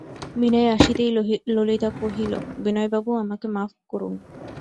বিনয় আসিতেই ললিতা কহিল, বিনয়বাবু, আমাকে মাপ করুন।